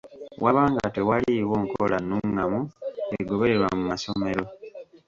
Waba nga tewaliiwo nkola nnungamu egobererwa mu masomero.